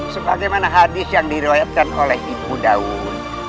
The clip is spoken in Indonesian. sebagai mana hadis yang direwetkan oleh ibu dawud